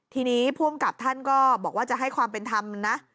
ทีนี้ผู้อำกับท่านก็บอกว่าจะให้ความเป็นธรรมนะ